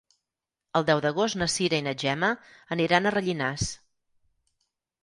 El deu d'agost na Cira i na Gemma aniran a Rellinars.